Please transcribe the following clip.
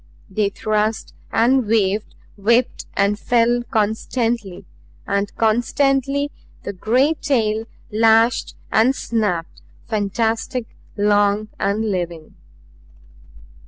They thrust and waved, whipped and fell constantly; and constantly the great tail lashed and snapped, fantastic, long and living.